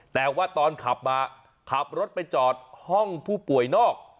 แต่ว่าตอนขับมาขับรถไปจอดห้องผู้ป่วยนอก